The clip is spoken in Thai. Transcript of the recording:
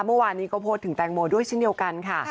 เมื่อวานนี้ก็พูดถึงแตงโมด้วยเช่นเดียวกันค่ะ